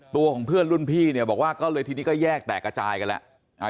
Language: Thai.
ตัวของเพื่อนรุ่นพี่เนี่ยบอกว่าก็เลยทีนี้ก็แยกแตกกระจายกันแล้ว